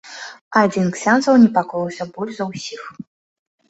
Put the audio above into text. Адзін з ксяндзоў непакоіўся больш за ўсіх.